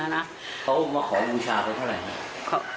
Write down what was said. เขามาขอมูชาของเท่าไร